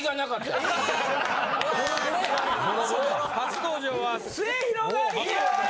初登場は。